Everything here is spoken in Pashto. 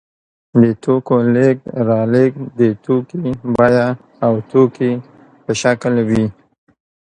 د توکو لېږد رالېږد د توکي پیسې او توکي په شکل وي